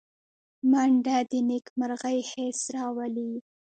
منډه د نېکمرغۍ حس راولي